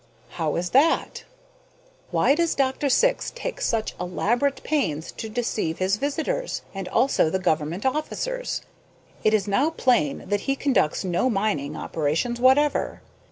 "How is that?" "Why does Dr. Syx take such elaborate pains to deceive his visitors, and also the government officers? It is now plain that he conducts no mining operations whatever.